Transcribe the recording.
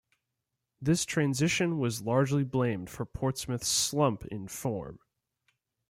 This transition was largely blamed for Portsmouth's slump in form.